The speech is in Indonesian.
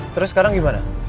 terus sekarang gimana